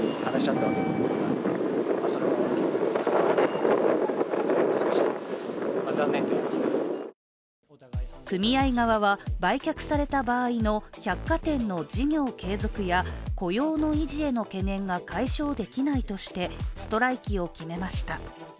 一方、組合側は組合側は、売却された場合の百貨店の事業継続や雇用の維持への懸念が解消できないとして、ストライキを決めました。